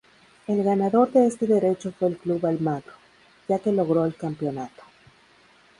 El ganador de este derecho fue el Club Almagro, ya que logró el campeonato.